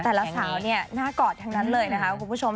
สาวเนี่ยหน้ากอดทั้งนั้นเลยนะคะคุณผู้ชม